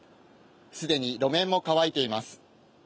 既に路面も乾いています。